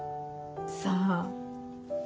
さあ。